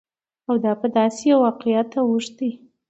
او دا په داسې يوه واقعيت اوښتى،